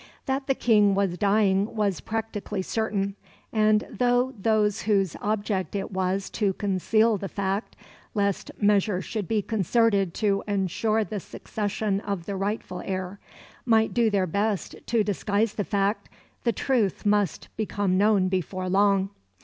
That the King was dying was practically certain, and though those whose object it was to conceal the fact lest measures should be concerted to ensure the succession of the rightful heir, might do their best to disguise the fact, the truth must become known before long.